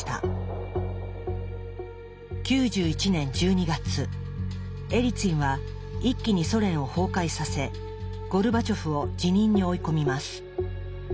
９１年１２月エリツィンは一気にソ連を崩壊させゴルバチョフを辞任に追い込みます。